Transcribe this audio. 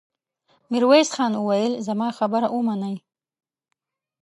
ميرويس خان وويل: زما خبره ومنئ!